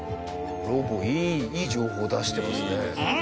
ロボいい情報出してますね。